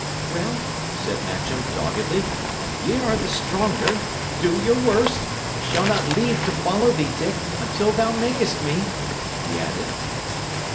"Well," said Matcham, doggedly, "y' are the stronger. Do your worst. I shall not leave to follow thee, Dick, unless thou makest me," he added.